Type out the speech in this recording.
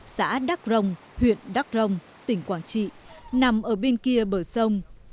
xã đắc rồng huyện đắc rông tỉnh quảng trị nằm ở bên kia bờ sông